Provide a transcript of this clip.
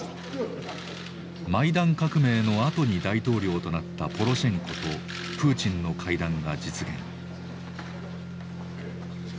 マイダン革命のあとに大統領となったポロシェンコとプーチンの会談が実現。